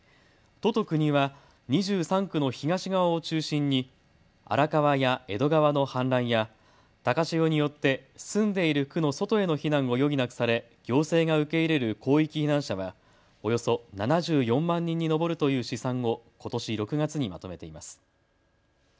都と国は２３区の東側を中心に荒川や江戸川の氾濫や高潮によって住んでいる区の外への避難を余儀なくされ行政が受け入れる広域避難者はおよそ７４万人に上るという試算をことし６月にまとめています。